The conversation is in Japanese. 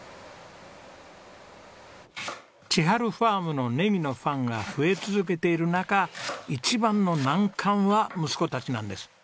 ちはるふぁーむのネギのファンが増え続けている中一番の難関は息子たちなんです。